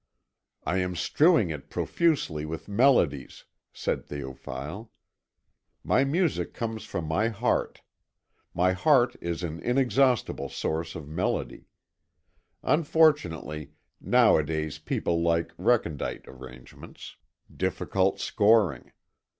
"I am strewing it profusely with melodies," said Théophile; "my music comes from my heart. My heart is an inexhaustible source of melody. Unfortunately nowadays people like recondite arrangements, difficult scoring.